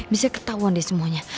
bisa ketahuan deh semuanya